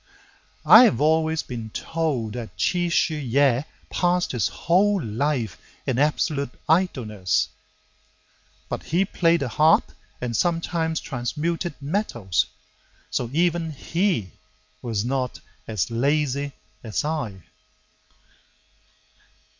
I have always been told that Chi Shu yeh Passed his whole life in absolute idleness. But he played the harp and sometimes transmuted metals, So even he was not so lazy as I.